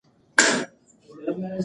د ټولنې اصلاح له هر فرد څخه پیل کېږي.